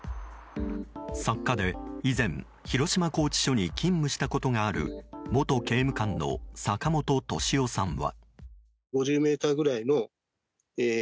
作家で、以前広島拘置所に勤務したことがある元刑務官の坂本敏夫さんは。